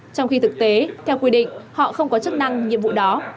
trong khi thực tế theo quy định họ không có chức năng nhiệm vụ đó